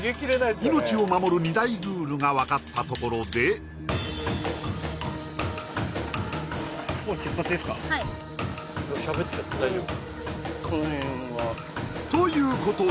命を守る２大ルールが分かったところではいということで！